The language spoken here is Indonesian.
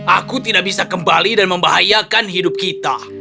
aku tidak bisa kembali dan membahayakan hidup kita